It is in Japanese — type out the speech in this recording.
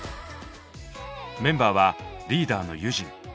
メンバーはリーダーのユジン。